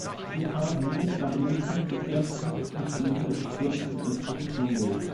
Bukavu war ein wichtiger Verkehrsknoten und diente als Zugang zum östlichen Kongo.